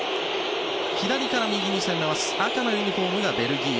左から右に攻めます赤のユニホームがベルギー。